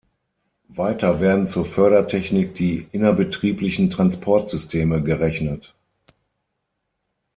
Weiter werden zur Fördertechnik die innerbetrieblichen Transportsysteme gerechnet.